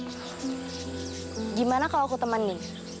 bagaimana kalau aku temani